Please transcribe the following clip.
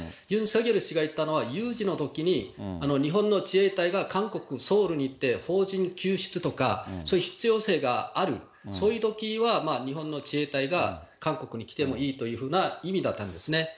ユン・ソギョル氏が言ったのは、有事のときに日本の自衛隊が韓国・ソウルに行って、邦人救出とか、そういう必要性がある、そういうときは日本の自衛隊が韓国に来てもいいというふうな意味だったんですね。